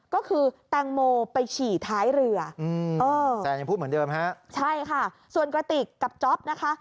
ก็คือแตงโมไปฉี่ท้ายเรือแซนยังพูดเหมือนเดิมฮะใช่ค่ะส่วนกระติกกับจ๊อปนะคะ